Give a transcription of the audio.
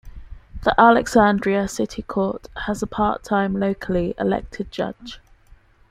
The Alexandria City Court has a part-time locally elected judge.